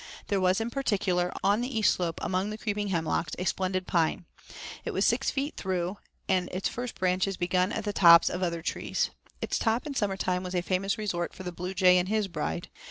There was in particular, on the east slope among the creeping hemlocks, a splendid pine. It was six feet through, and its first branches began at the tops of the other trees. Its top in summer time was a famous resort for the bluejay and his bride.